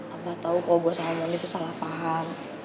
abah tau kok gue sama mondi itu salah paham